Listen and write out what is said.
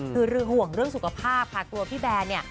คือห่วงเรื่องสุขภาพภาคตัวพี่แบร์เนี่ย